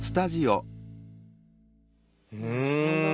うん！